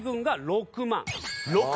６万！？